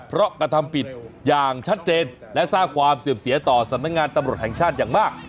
เพราะกระทำผิดอย่างชัดเจนและสร้างความเสื่อมเสียต่อสำนักงานตำรวจแห่งชาติอย่างมาก